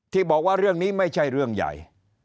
ที่บอกว่าเรื่องนี้ไม่ใช่เรื่องใหญ่